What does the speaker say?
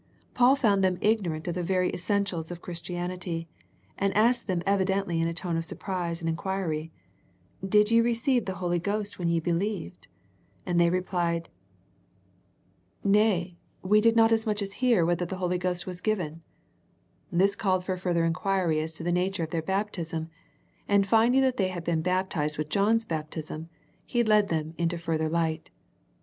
Paul found them ignorant of the very essentials of Chris tianity, and asked them evidently in a tone of surprise and enquiry, " Did ye receive the Holy Ghost when ye believed." And they re plied " Nay, we did not as much as hear The Ephesus Letter 33 whether the Holy Ghost was given." This called for further enquiry as to the nature of their baptism, and then finding that they had been baptized with John's baptism, he led them into further light.